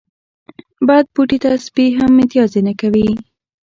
بد بوټي ته سپي هم متازې نه کوی